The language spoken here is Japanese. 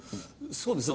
そうですね。